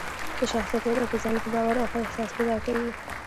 د شخصیت وده په ځان کې باور او ښه احساس پیدا کوي.